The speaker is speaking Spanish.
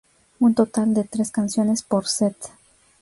Un total de tres canciones por set.